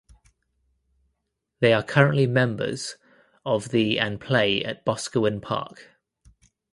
They are currently members of the and play at Boscawen Park.